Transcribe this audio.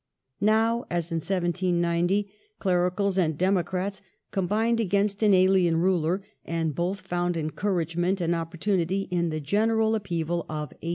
Now, as in 1790, Clericals and Democrats combined against an alien ruler, and both found encouragement and oppor tunity in the general upheaval of 1830.